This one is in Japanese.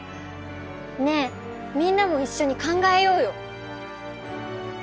ねえみんなもいっしょに考えようよ。